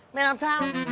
mày làm sao